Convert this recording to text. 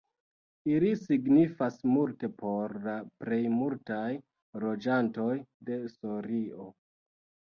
Ili signifas multe por la plejmultaj loĝantoj de Sorio.